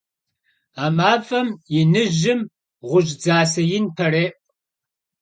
A maf'em yinıjım ğuş' dzase yin perê'u.